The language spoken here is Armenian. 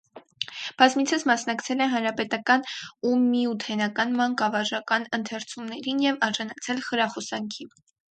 Բազմիցս մասնակցել է հանրապետական ու միութենական մանկավարժական ընթերցումներին և արժանացել խրախուսանքի։